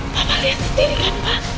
bapak lihat sendiri kan pak